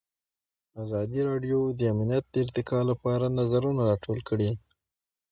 ازادي راډیو د امنیت د ارتقا لپاره نظرونه راټول کړي.